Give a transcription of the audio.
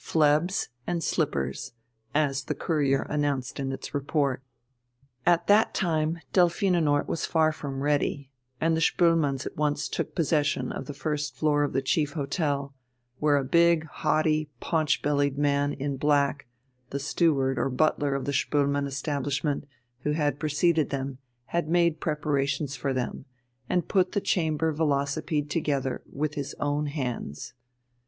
Phlebs and Slippers, as the Courier announced in its report. At that time Delphinenort was far from ready, and the Spoelmanns at once took possession of the first floor of the chief hotel, where a big, haughty, paunch bellied man in black, the steward or butler of the Spoelmann establishment, who had preceded them, had made preparations for them, and put the chamber velocipede together with his own hands.